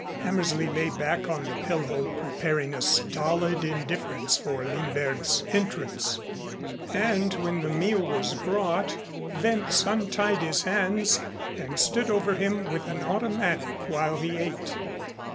Hammersley lay back on the pillow preparing a stolid indifference for Lindberg's entrance. And when the meal was brought, Wentz untied his hands and stood over him with an automatic while he ate.